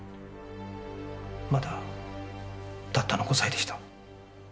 まだたったの５歳でした。